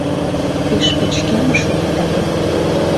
Пеш пычкемыш улыт але.